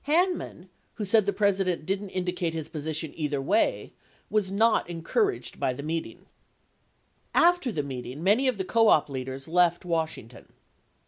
2 Hanman, who said the President didn't indicate his position either way, was not encouraged by the meeting. 3 After the meeting, many of the co op leaders left Washington.